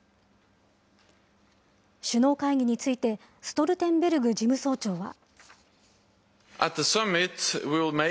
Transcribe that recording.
首脳会議について、ストルテンベルグ事務総長は。